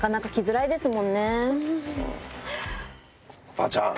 ばあちゃん